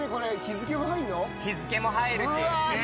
日付も入るし。